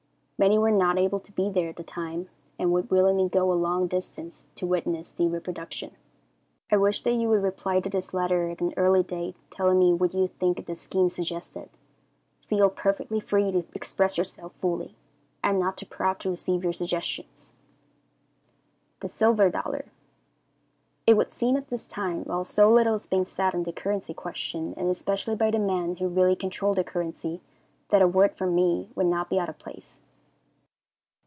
Many were not able to be there at the time, and would willingly go a long distance to witness the reproduction. I wish that you would reply to this letter at an early date, telling me what you think of the schemes suggested. Feel perfectly free to express yourself fully. I am not too proud to receive your suggestions. The Silver Dollar. It would seem at this time, while so little is being said on the currency question, and especially by the men who really control the currency, that a word from me would not be out of place.